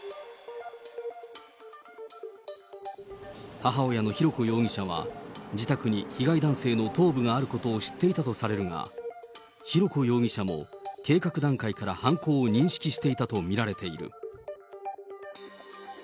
母親の浩子容疑者は、自宅に被害男性の頭部があることを知っていたとされるが、浩子容疑者も計画段階から犯行を認識していたと見られている。